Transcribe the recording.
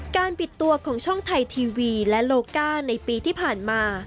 ปิดตัวของช่องไทยทีวีและโลก้าในปีที่ผ่านมา